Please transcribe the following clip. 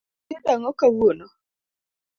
Itedo ang'o kawuono